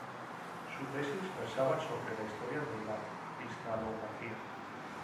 Su tesis versaba sobre la historia de la cristalografía.